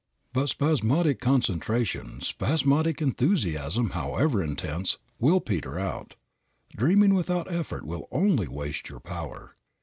But spasmodic concentration, spasmodic enthusiasm, however intense, will peter out. Dreaming without effort will only waste your power.